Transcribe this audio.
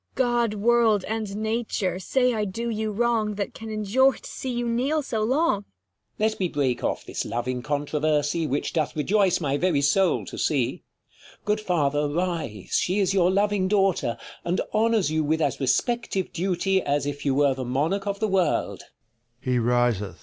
', 220 Cor. God, world, and nature, say I do you wrong, JThat can endure to see you kneel so long. King. Let me break off this loving controversy, Which doth rejoice my very soul to see. Good father, rise, she is your loving daughter, [He riseth. And honours you with as respective duty, As if you were the monarch of the world.